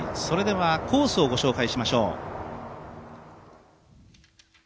それではコースをご紹介しましょう。